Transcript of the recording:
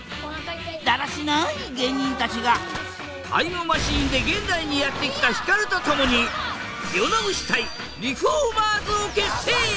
だらしない芸人たちがタイムマシンで現代にやって来たヒカルと共に世直し隊リフォーマーズを結成。